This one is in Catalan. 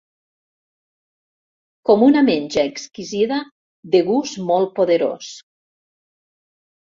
Com una menja exquisida de gust molt poderós.